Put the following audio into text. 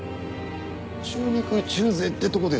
中肉中背ってとこです。